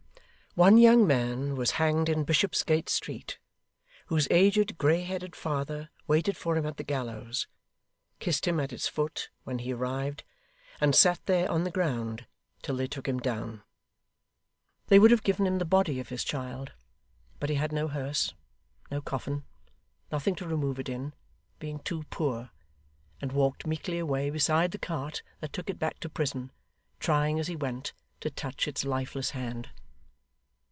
One young man was hanged in Bishopsgate Street, whose aged grey headed father waited for him at the gallows, kissed him at its foot when he arrived, and sat there, on the ground, till they took him down. They would have given him the body of his child; but he had no hearse, no coffin, nothing to remove it in, being too poor and walked meekly away beside the cart that took it back to prison, trying, as he went, to touch its lifeless hand.